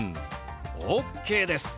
ＯＫです！